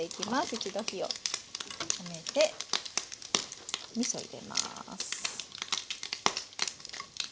一度火を止めてみそ入れます。